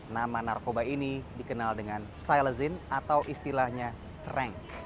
nama narkoba ini dikenal dengan psilazin atau istilahnya trank